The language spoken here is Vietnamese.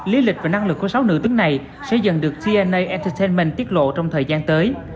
lý lịch và năng lực của sáu nữ tướng này sẽ dần được tna entertainment tiết lộ trong thời gian tới